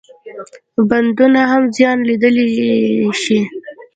بندونه هم زیان لیدلای شي.